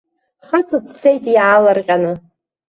Хаҵа дцеит иаалырҟьаны.